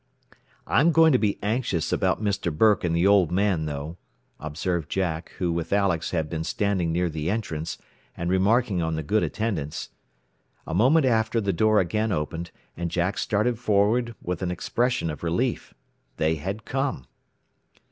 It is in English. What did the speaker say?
"I'm beginning to be anxious about Mr. Burke and the old man, though," observed Jack, who with Alex had been standing near the entrance, and remarking on the good attendance. A moment after the door again opened, and Jack started forward with an expression of relief. They had come.